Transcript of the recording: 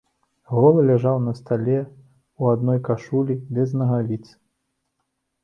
Голы ляжаў на стале, у адной кашулі, без нагавіц.